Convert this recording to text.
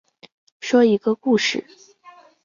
说一个故事